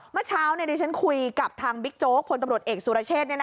เมื่อเช้าดิฉันคุยกับทางบิ๊กโจ๊กพลตำรวจเอกสุรเชษ